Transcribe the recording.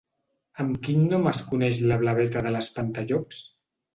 Amb quin nom es coneix la blaveta de l'espantallops?